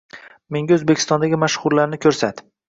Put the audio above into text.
menga O'zbekistondagi mashhurlarni ko'rsat